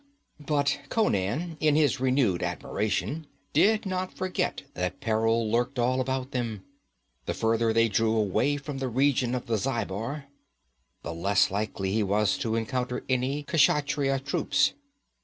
But Conan, in his renewed admiration, did not forget that peril lurked all about them. The farther they drew away from the region of the Zhaibar, the less likely he was to encounter any Kshatriya troops.